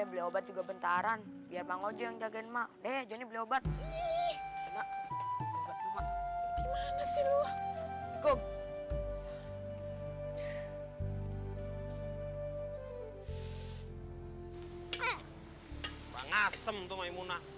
beli obat juga bentaran biar bang ojo yang jagain mak deh jadi beli obat nih gimana sih